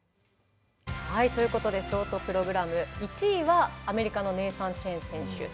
ということでショートプログラム１位はアメリカのネイサン・チェン選手。